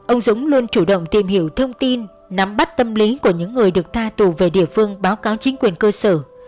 ông dũng luôn chủ động tìm hiểu thông tin nắm bắt tâm lý của những người được tha tù về địa phương báo cáo chính quyền cơ sở